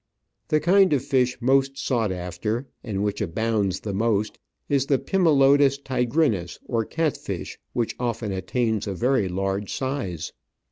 The kind of fish most sought after, and which abounds the most, is the Pimelodous tigrinus, or cat fish, which often attains a very large size.